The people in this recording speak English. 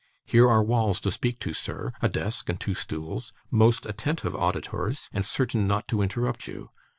'Here are walls to speak to, sir, a desk, and two stools: most attentive auditors, and certain not to interrupt you.